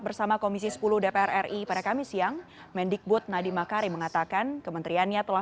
bersama komisi sepuluh dpr ri pada kamis siang mendikbud nadiem makarim mengatakan kementeriannya telah